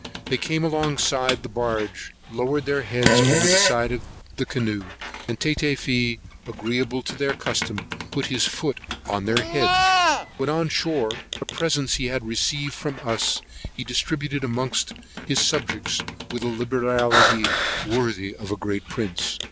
They came alongside the barge, lowered their heads over the side of the canoe, and Tatafee, agreeable to their custom, put his foot upon their heads. When on shore, what presents he had received from us, he distributed amongst his subjects, with a liberality worthy of a great prince.